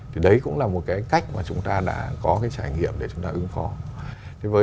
thì đấy cũng là một cái cách mà chúng ta đã có cái trải nghiệm để chúng ta ứng phó